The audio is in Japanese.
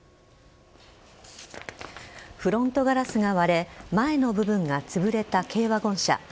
フロントガラスが割れ前の部分がつぶれた軽ワゴン車。